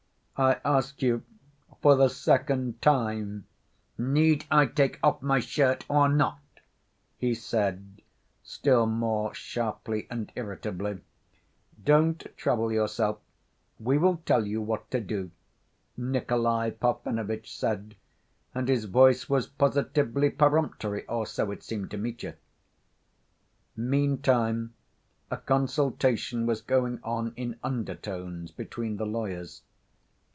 "I ask you for the second time—need I take off my shirt or not?" he said, still more sharply and irritably. "Don't trouble yourself. We will tell you what to do," Nikolay Parfenovitch said, and his voice was positively peremptory, or so it seemed to Mitya. Meantime a consultation was going on in undertones between the lawyers.